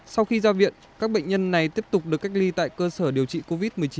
sau khi ra viện các bệnh nhân này tiếp tục được cách ly tại cơ sở điều trị covid một mươi chín